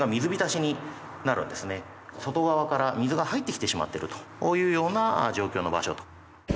外側から水が入ってきてしまっているというような状況の場所と。